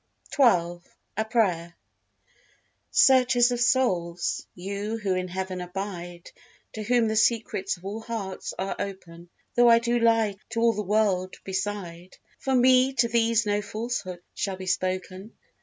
xii—A Prayer Searcher of souls, you who in heaven abide, To whom the secrets of all hearts are open, Though I do lie to all the world beside, From me to these no falsehood shall be spoken.